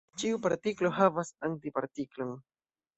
Ĉiu partiklo havas antipartiklon.